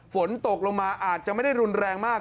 ฝนตกลงมาอาจจะไม่ได้รุนแรงมาก